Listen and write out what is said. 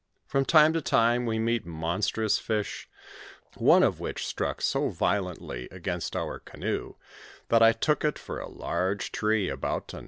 From time to time we meet monstrous fish, one of which struck so violently against our canoe, that I took it for a large tree about to knock us to pieces.